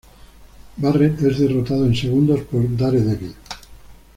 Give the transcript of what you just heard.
Barrett es derrotado en segundos por Daredevil.